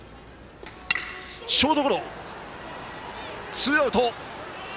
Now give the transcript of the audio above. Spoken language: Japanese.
ツーアウト。